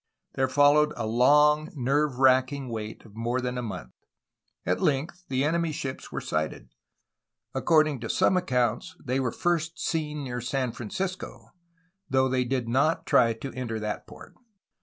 There followed a long, nerve wracking wait of more than a month. At length, the enemy ships were sighted. According to. some accounts they were first seen near San Francisco, though they did not try to enter that port.